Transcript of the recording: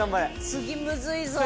次むずいぞ。